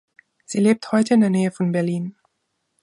Sie lebt heute in der Nähe von Berlin.